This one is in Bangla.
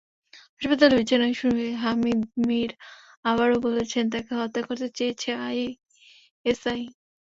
হাসপাতালের বিছানায় শুয়ে হামিদ মির আবারও বলেছেন, তাঁকে হত্যা করতে চেয়েছে আইএসআই।